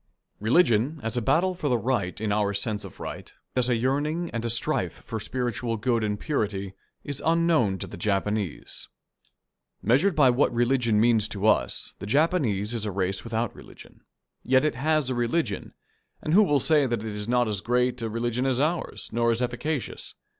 Religion, as a battle for the right in our sense of right, as a yearning and a strife for spiritual good and purity, is unknown to the Japanese. Measured by what religion means to us, the Japanese is a race without religion. Yet it has a religion, and who shall say that it is not as great a religion as ours, nor as efficacious?